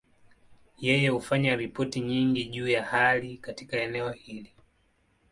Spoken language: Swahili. Yeye hufanya ripoti nyingi juu ya hali katika eneo hili.